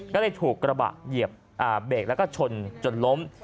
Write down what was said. ก็เลยถูกกระบะเหยียบเบรกแล้วก็ชนจนล้ม